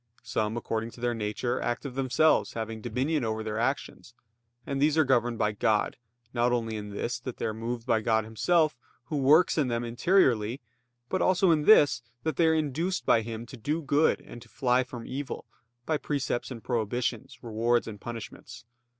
Some, according to their nature, act of themselves, having dominion over their actions; and these are governed by God, not only in this, that they are moved by God Himself, Who works in them interiorly; but also in this, that they are induced by Him to do good and to fly from evil, by precepts and prohibitions, rewards and punishments.